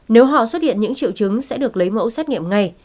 nếu họ xuất hiện những triệu chứng sẽ được lấy mẫu xét nghiệm ngay